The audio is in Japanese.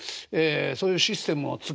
そういうシステムを作る。